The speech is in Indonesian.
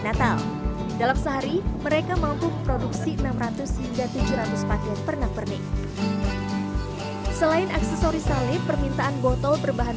yang mampu produksi enam ratus tujuh ratus paket pernak pernik selain aksesori salib permintaan botol berbahan